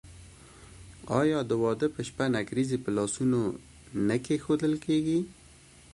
آیا د واده په شپه نکریزې په لاسونو نه کیښودل کیږي؟